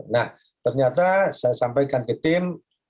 nah ternyata saya sampaikan ke tim